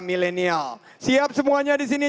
milenial siap semuanya disini